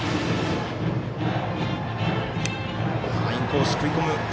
インコース、食い込む球。